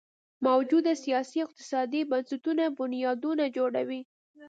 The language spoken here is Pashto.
موجوده سیاسي او اقتصادي بنسټونه بنیادونه جوړوي.